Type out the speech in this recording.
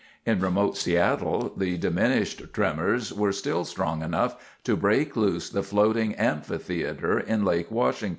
In remote Seattle, the diminished tremors were still strong enough to break loose the floating amphitheatre in Lake Washington.